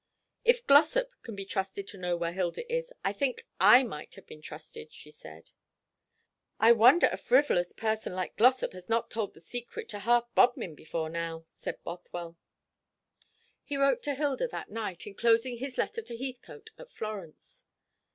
"If Glossop can be trusted to know where Hilda, is, I think I might have been trusted," she said. "I wonder a frivolous person like Glossop has not told the secret to half Bodmin before now," said Bothwell. He wrote to Hilda that night, enclosing his letter to Heathcote at Florence.